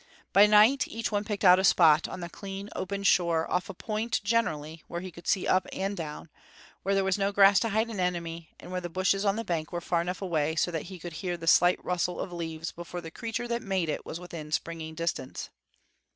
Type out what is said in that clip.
By night each one picked out a spot on the clean open shore, off a point, generally, where he could see up and down, where there was no grass to hide an enemy, and where the bushes on the bank were far enough away so that he could hear the slight rustle of leaves before the creature that made it was within springing distance.